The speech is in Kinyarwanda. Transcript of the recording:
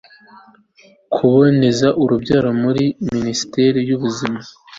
kuboneza urubyaro muri minisiteri y'ubuzima